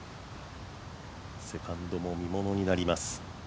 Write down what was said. セカンドも見物になります。